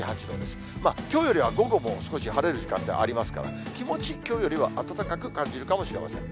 きょうよりは午後も少し晴れる時間帯がありますから、気持ち、きょうよりは暖かく感じるかもしれません。